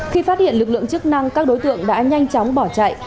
khi phát hiện lực lượng chức năng các đối tượng đã nhanh chóng bỏ chạy